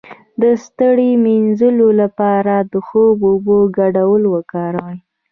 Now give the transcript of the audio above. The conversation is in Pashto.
د ستړیا د مینځلو لپاره د خوب او اوبو ګډول وکاروئ